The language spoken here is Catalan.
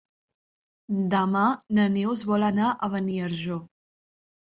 Demà na Neus vol anar a Beniarjó.